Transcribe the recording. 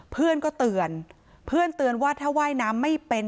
เพื่อนก็เตือนเพื่อนเตือนว่าถ้าว่ายน้ำไม่เป็น